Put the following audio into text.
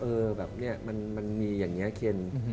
เออแบบนี้มันมีอย่างนี้เคน